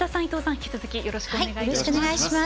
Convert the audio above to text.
引き続きよろしくお願いします。